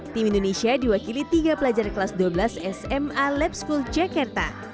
tim indonesia diwakili tiga pelajar kelas dua belas sma lab school jakarta